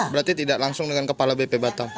berarti tidak langsung dengan kepala bp batam